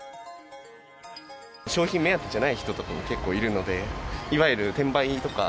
商品目当てじゃない人とかも結構いるので、いわゆる転売人とか。